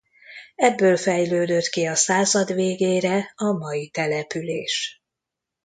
Ebből fejlődött ki a század végére a mai település.